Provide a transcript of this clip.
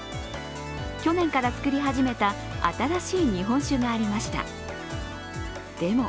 去年から造り始めた新しい日本酒がありました。